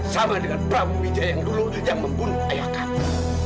sama dengan prabu wijaya yang dulu yang membunuh ayah kamu